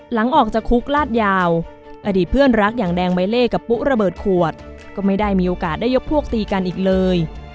หลังออกจากคุกลาดยาวอดีตเพื่อนรักอย่างแดงใบเล่กับปุ๊ระเบิดขวดก็ไม่ได้มีโอกาสได้ยกพวกตีกันอีกเลย